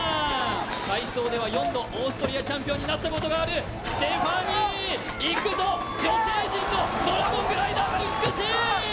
体操では４度、オーストリアチャンピオンになったことがあるステファニー、いくぞ、女性陣のドラゴングライダーが美しい！